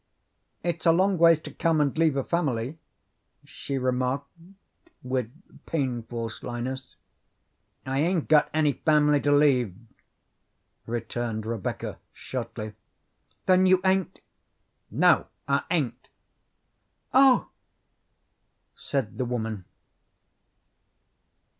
"It's a long ways to come and leave a family," she remarked with painful slyness. "I ain't got any family to leave," returned Rebecca shortly. "Then you ain't " "No, I ain't." "Oh!" said the woman.